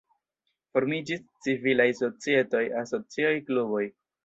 Formiĝis civilaj societoj, asocioj, kluboj.